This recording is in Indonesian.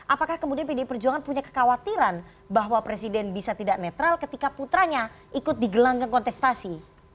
apakah kemudian pdi perjuangan punya kekhawatiran bahwa presiden bisa tidak netral ketika putranya ikut di gelanggang kontestasi